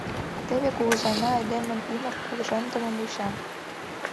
Теве кугызайна айдемын ӱмыр кужемдымым вуча.